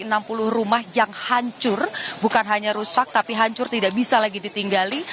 ada enam puluh rumah yang hancur bukan hanya rusak tapi hancur tidak bisa lagi ditinggali